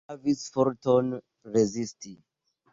Mi ne havis forton rezisti.